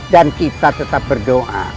dan kita tetap berdoa